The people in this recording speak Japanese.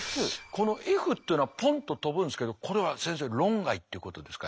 このＦっていうのはポンッと飛ぶんですけどこれは先生論外ってことですか